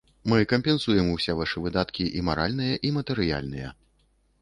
Мы кампенсуем усе вашы выдаткі і маральныя, і матэрыяльныя.